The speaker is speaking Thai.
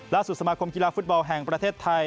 สมาคมกีฬาฟุตบอลแห่งประเทศไทย